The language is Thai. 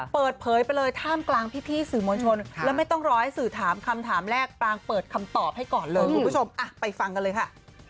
เปิดเผยไปเลยท่ามกลางพี่สื่อมวลชนแล้วไม่ต้องรอให้สื่อถามคำถามแรกปรางเปิดคำตอบให้ก่อนเลยคุณผู้ชมไปฟังกันเลยค่ะ